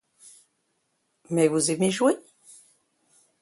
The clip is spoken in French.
Mais vous aimez jouer?